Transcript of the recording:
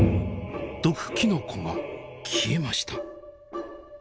毒きのこが消えました。